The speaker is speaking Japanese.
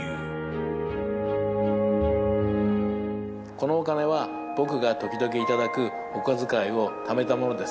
「このお金は僕が時々頂くお小遣いをためたものです」